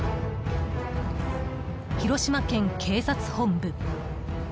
広島県警察本部。